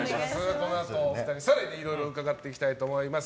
このあとお二人に更にいろいろ伺っていきたいと思います。